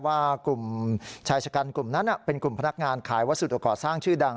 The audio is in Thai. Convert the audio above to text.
ว่ากลุ่มชายชะกันกลุ่มนั้นเป็นกลุ่มพนักงานขายวัสดุก่อสร้างชื่อดัง